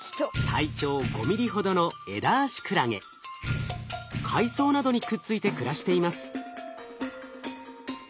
体長５ミリほどの海藻などにくっついて暮らしています。